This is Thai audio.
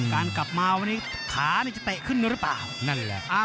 มันกลับมาวันนี้ขาจะเตะขึ้นหรือเปล่า